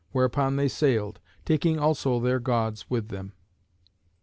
Whereupon they sailed, taking also their Gods with them.